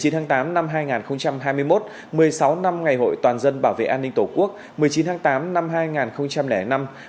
một mươi tháng tám năm hai nghìn hai mươi một một mươi sáu năm ngày hội toàn dân bảo vệ an ninh tổ quốc một mươi chín tháng tám năm hai nghìn năm